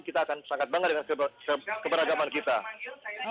kita akan sangat bangga dengan keberagaman kita